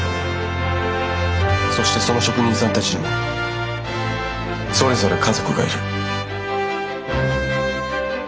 そしてその職人さんたちにもそれぞれ家族がいる。